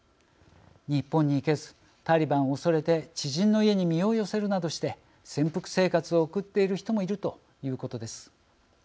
日本に行けずタリバンを恐れて知人の家に身を寄せるなどして潜伏生活を送っている人もいるということです。